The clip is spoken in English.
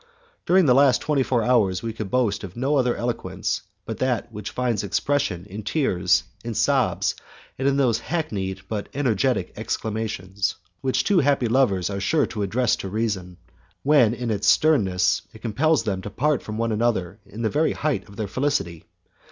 During the last twenty four hours we could boast of no other eloquence but that which finds expression in tears, in sobs, and in those hackneyed but energetic exclamations, which two happy lovers are sure to address to reason, when in its sternness it compels them to part from one another in the very height of their felicity.